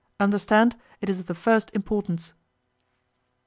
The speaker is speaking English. Understand, it is of the first importance.